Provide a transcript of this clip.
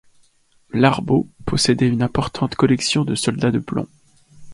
Larbaud possédait une importante collection de soldats de plomb.